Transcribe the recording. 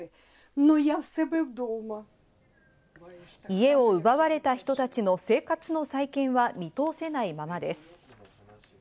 家を奪われた人たちの生活の再建は見通せないままです。